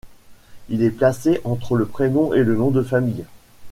Il est placé entre le prénom et le nom de famille.